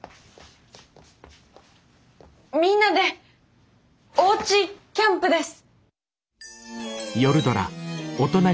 みんなでおうちキャンプです！